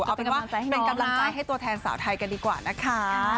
เอาเป็นว่าเป็นกำลังใจให้ตัวแทนสาวไทยกันดีกว่านะคะ